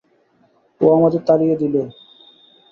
ও আমাদের তাড়িয়ে দিলে!